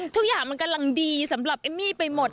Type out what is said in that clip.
ทุกอย่างมันกำลังดีสำหรับเอมมี่ไปหมด